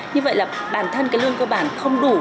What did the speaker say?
như vậy là bản thân cái lương cơ bản không đủ